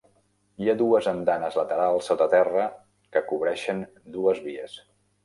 Hi ha dues andanes laterals sota terra que cobreixen dues vies.